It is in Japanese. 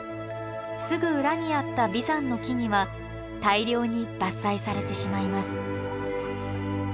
すぐ裏にあった眉山の木々は大量に伐採されてしまいます。